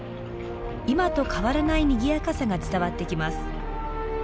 今と変わらないにぎやかさが伝わってきます。